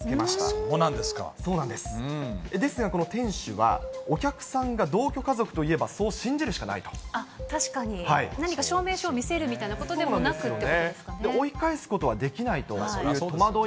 そうなんです、ですがこの店主はお客さんが同居家族といえばそう信じるしかない確かに、何か証明書を見せるみたいなことでもなくということですかね。